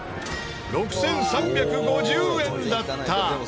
６３５０円だった。